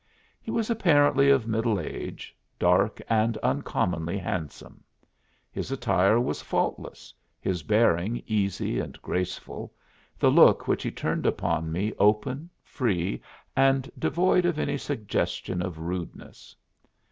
He was apparently of middle age, dark and uncommonly handsome. His attire was faultless, his bearing easy and graceful, the look which he turned upon me open, free, and devoid of any suggestion of rudeness.